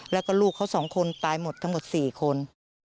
แล้วก็ลูกเขา๒คนตายหมดทั้งหมด๔คน